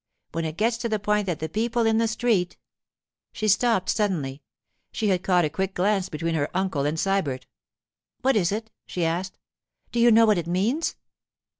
When it gets to the point that the people in the street——' She stopped suddenly. She had caught a quick glance between her uncle and Sybert. 'What is it?' she asked. 'Do you know what it means?